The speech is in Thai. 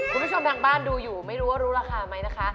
คุณผู้ชมทางบ้านดูอยู่ไม่รู้ว่ารู้ราคาไหมนะคะ